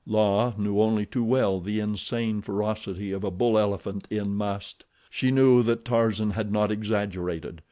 La knew only too well the insane ferocity of a bull elephant in must. She knew that Tarzan had not exaggerated.